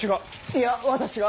いや私が。